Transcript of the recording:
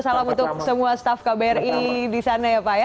salam untuk semua staff kbri di sana ya pak ya